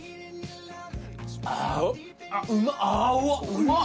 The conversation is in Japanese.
うまっ！